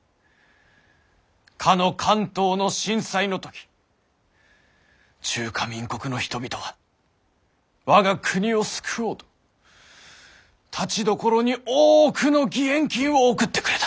かの関東の震災の時中華民国の人々は我が国を救おうとたちどころに多くの義援金を贈ってくれた。